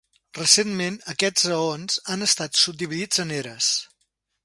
Recentment, aquests eons han estat subdividits en eres.